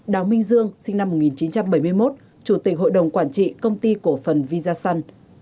đào minh dương sinh năm một nghìn chín trăm bảy mươi một chủ tịch hội đồng quản trị công ty cổ phần visan